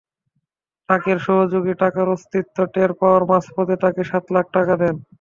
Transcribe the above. ট্রাকের সহযোগী টাকার অস্তিত্ব টের পাওয়ায় মাঝপথে তাঁকে সাত লাখ টাকা দেন।